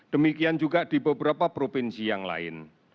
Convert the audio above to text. demikian juga di beberapa provinsi yang lain